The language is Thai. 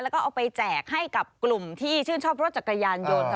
แล้วก็เอาไปแจกให้กับกลุ่มที่ชื่นชอบรถจักรยานยนต์